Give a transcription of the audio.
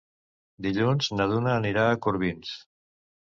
Dilluns na Duna anirà a Corbins.